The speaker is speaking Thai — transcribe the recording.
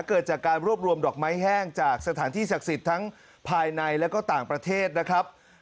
เกิดจากการรวบรวมดอกไม้แห้งจากสถานที่ศักดิ์สิทธิ์ทั้งภายในและก็ต่างประเทศนะครับ